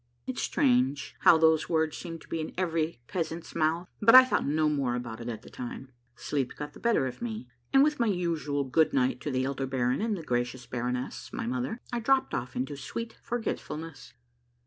It's strange how those words seem to be in every peasant's mouth, but I thought no more about it at that time. Sleep got the better of me, and with my usual good night to the elder baron and the gracious baroness, my mother, I dropped off into sweet forgetfulness.